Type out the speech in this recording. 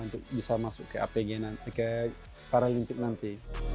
untuk bisa masuk ke apg ke paralimpik nanti